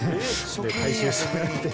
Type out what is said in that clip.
回収されて。